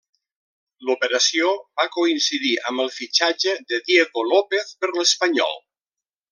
L'operació va coincidir amb el fitxatge de Diego López per l'Espanyol.